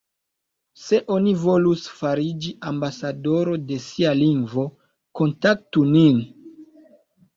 Se oni volus fariĝi ambasadoro de sia lingvo, kontaktu nin.